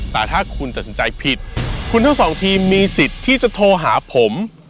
แต่ถ้าคุณตัดสินใจผิดคุณทั้งสองทีมมีสิทธิ์ที่จะโทรหาผม